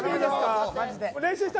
練習した？